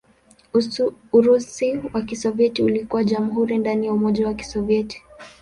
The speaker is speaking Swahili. Urusi wa Kisovyeti ulikuwa jamhuri ndani ya Umoja wa Kisovyeti.